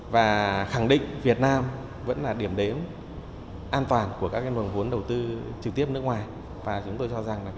về công nghiệp giá trị toàn ngành công nghiệp tăng ba hai trong năm hai nghìn hai mươi ba